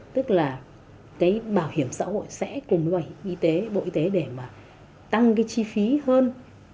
tức là cái bảo hiểm xã hội sẽ cùng với y tế bộ y tế để mà tăng cái chi phí hơn